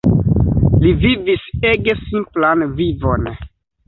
Li vivis ege simplan vivon.